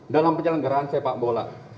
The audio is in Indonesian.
dalam penyelenggaran sepak bola